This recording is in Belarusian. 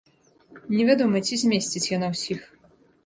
Невядома, ці змесціць яна ўсіх.